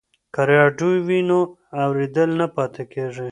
که راډیو وي نو اورېدل نه پاتې کیږي.